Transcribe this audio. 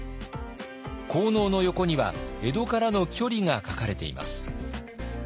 効能の横には江戸からの距離が書かれています。